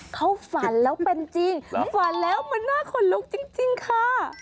เขาฝันแล้วเป็นจริงฝันแล้วมันน่าขนลุกจริงค่ะ